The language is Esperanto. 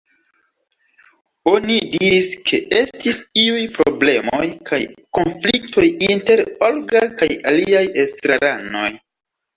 Oni diris ke estis iuj problemoj kaj konfliktoj inter Olga kaj aliaj estraranoj.